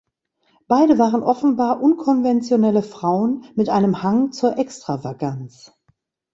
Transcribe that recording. Beide waren offenbar unkonventionelle Frauen mit einem Hang zur Extravaganz.